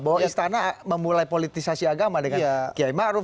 bahwa istana memulai politisasi agama dengan kiai maruf